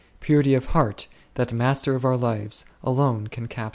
Purity of the heart, that master of our lives, alone can capture them.